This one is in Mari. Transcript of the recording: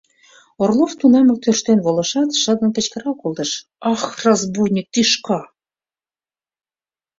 Орлов тунамак тӧрштен волышат, шыдын кычкырал колтыш: — Ах, разбойник тӱшка!